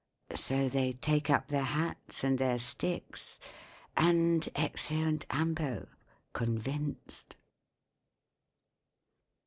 So they take up their hats and their sticks, And exeunt ambo, convinced.